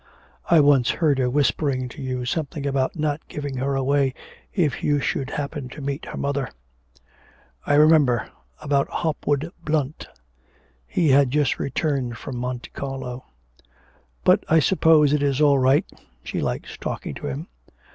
'I once heard her whispering to you something about not giving her away if you should happen to meet her mother.' 'I remember, about Hopwood Blunt. He had just returned from Monte Carlo.' 'But I suppose it is all right. She likes talking to him.'